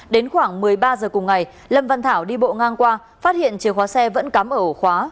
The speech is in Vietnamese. đến khoảng một mươi ba h cùng ngày lâm văn thảo đi bộ ngang qua phát hiện chìa khóa xe vẫn cắm ở ổ khóa